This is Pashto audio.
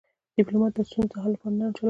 ډيپلومات د ستونزو د حل لپاره نرم چلند کوي.